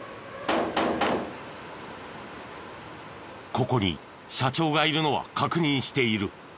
ここに社長がいるのは確認している。